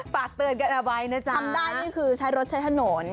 ฝากเตือนกันเอาไว้นะจ๊ะทำได้นี่คือใช้รถใช้ถนน